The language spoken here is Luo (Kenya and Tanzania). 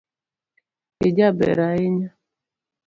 Ijaber ahinya